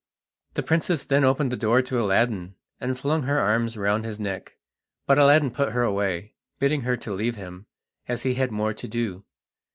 The princess then opened the door to Aladdin, and flung her arms round his neck, but Aladdin put her away, bidding her to leave him, as he had more to do.